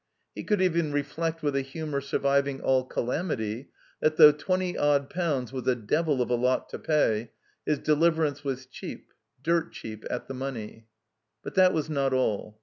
He could even reflect with a humor surviving all calam ity, that though twenty odd pounds was a devil of a lot to pay, his deliverance was cheap, dirt cheap, at the money. But that was not all.